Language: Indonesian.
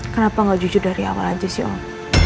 kenapa gak jujur dari awal aja sih om